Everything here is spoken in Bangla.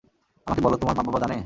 আমাকে বলো তোমার মা-বাবা জানে?